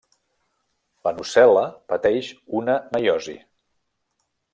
La nucel·la pateix una meiosi.